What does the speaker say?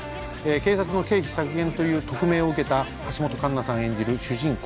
警察の経費削減というトクメイを受けた橋本環奈さん演じる主人公